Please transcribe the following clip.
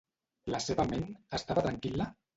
La seva ment, estava tranquil·la?